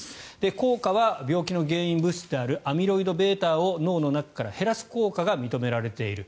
効果は病気の原因物質であるアミロイドβを脳の中から減らす効果が認められている。